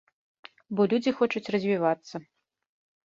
Бо людзі хочуць развівацца.